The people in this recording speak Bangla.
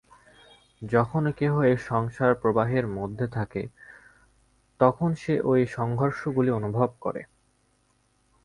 যখন কেহ এই সংসার-প্রবাহের মধ্যে থাকে, তখন সে ঐ সংঘর্ষগুলি অনুভব করে।